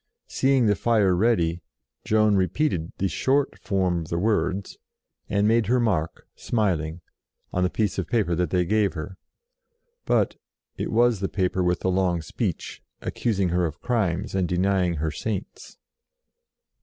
Seeing the fire ready, Joan repeated the short form of words, and made her mark, smiling, on the piece of paper that they gave her, but it was the paper with the long speech, accusing herself of crimes and denying her Saints.